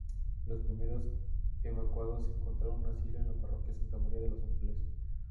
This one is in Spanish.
Los primeros evacuados encontraron asilo en la Parroquia Santa María de los Ángeles.